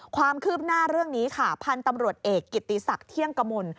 ความคืบหน้าเรื่องนี้ค่ะพันธุ์ตำรวจเอกกิติศักดิ์เที่ยงกมล